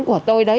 của tôi đấy